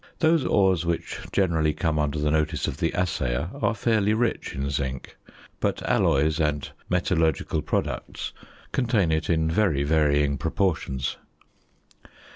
Those ores which generally come under the notice of the assayer are fairly rich in zinc; but alloys and metallurgical products contain it in very varying proportions.